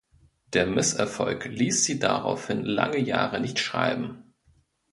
Der Misserfolg ließ sie daraufhin lange Jahre nicht schreiben.